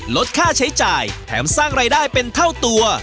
ลดค่าใช้จ่ายแถมสร้างรายได้เป็นเท่าตัว